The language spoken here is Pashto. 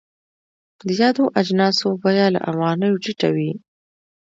د یادو اجناسو بیه له افغانیو ټیټه وي.